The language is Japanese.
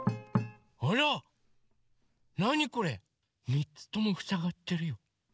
３つともふさがってるよ。